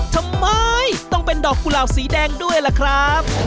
ทำไมต้องเป็นดอกกุหลาบสีแดงด้วยล่ะครับ